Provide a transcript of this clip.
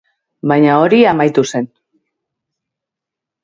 Baina hori amaitu zen.